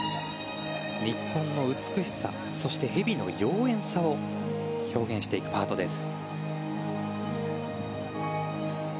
日本の美しさ、そして蛇の妖艶さを表現していくパートです。